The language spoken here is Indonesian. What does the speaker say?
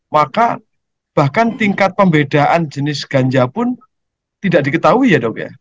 maka bahkan tingkat pembedaan jenis ganja pun tidak diketahui ya dok ya